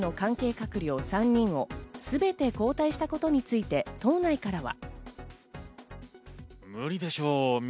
閣僚３人を全て交代したことについて、党内からは。